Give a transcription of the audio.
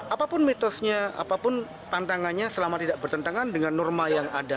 apapun mitosnya apapun tantangannya selama tidak bertentangan dengan norma yang ada